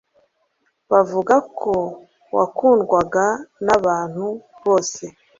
Bavuga ko wakundwaga na bantu bose